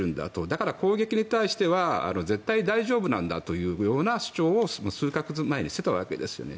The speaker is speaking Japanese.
だから、攻撃に対しては絶対大丈夫なんだという主張を数か月前にしていたわけですよね。